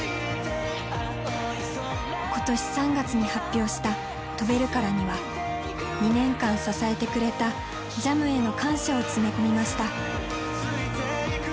今年３月に発表した「飛べるから」には２年間支えてくれたＪＡＭへの感謝を詰め込みました。